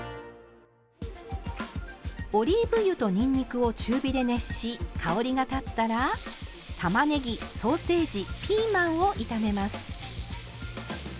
オリーブ油とにんにくを中火で熱し香りが立ったらたまねぎソーセージピーマンを炒めます。